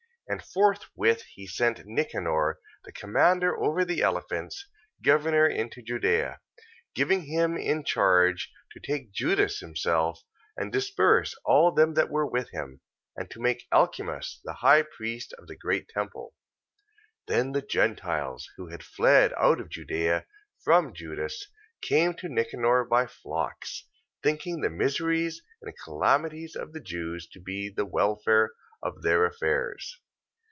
14:12. And forthwith he sent Nicanor, the commander over the elephants, governor into Judea: 14:13. Giving him in charge, to take Judas himself: and disperse all them that were with him, and to make Alcimus the high priest of the great temple. 14:14. Then the Gentiles who had fled out of Judea, from Judas, came to Nicanor by flocks, thinking the miseries and calamities of the Jews to be the welfare of their affairs.